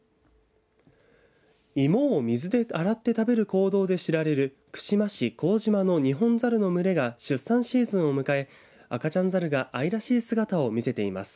芋を水で洗って食べる行動で知られる串間市幸島のニホンザルの群れが出産シーズンを迎え赤ちゃんザルが愛らしい姿を見せています。